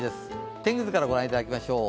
天気図からご覧いただきましょう。